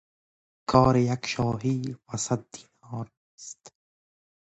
کار یک شاهی و صد دینار نیست.